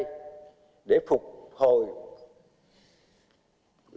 đóng góp và phục hồi pháp luật